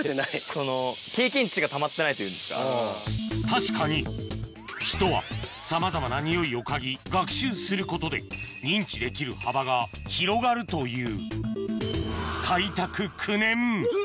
確かに人はさまざまなにおいを嗅ぎ学習することで認知できる幅が広がるというウエ！